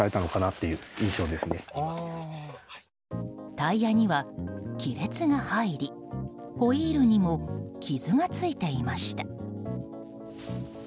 タイヤには亀裂が入りホイールにも傷がついていました。